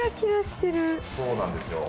・そうなんですよ。